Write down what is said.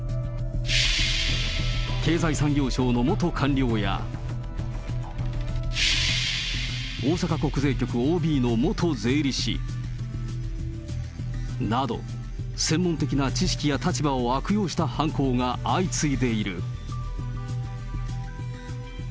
経済産業省の元官僚や、大阪国税局ＯＢの元税理士など、専門的な知識や立場を悪用した犯行が相次いでいる。